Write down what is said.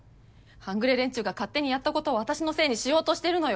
半グレ連中が勝手にやったことを私のせいにしようとしてるのよ。